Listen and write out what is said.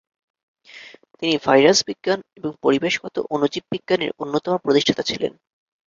তিনি ভাইরাস বিজ্ঞান এবং পরিবেশগত অণুজীববিজ্ঞানের অন্যতম প্রতিষ্ঠাতা ছিলেন।